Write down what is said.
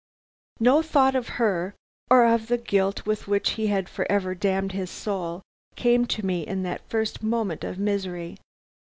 "No thought of her, or of the guilt with which he had forever damned his soul, came to me in that first moment of misery.